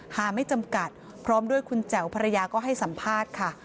ไม่จำกัดพร้อมด้วยคุณแจ๋วภรรยาก็ให้สัมภาษณ์ค่ะ